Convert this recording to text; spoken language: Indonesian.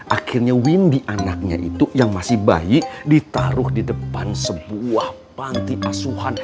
akhirnya windy anaknya itu yang masih bayi ditaruh di depan sebuah panti asuhan